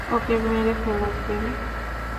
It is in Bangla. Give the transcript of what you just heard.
ওকে মেরে ফেল, প্রেম!